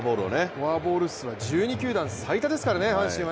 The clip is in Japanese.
フォアボール数は１２球団最多ですからね、阪神は。